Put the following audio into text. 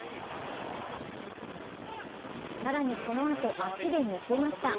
更にこのあと、足で見せました。